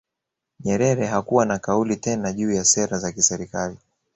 Nyerere hakuwa na kauli tena juu ya sera za kiserikali